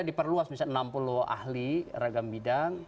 diperluas misalnya enam puluh ahli ragam bidang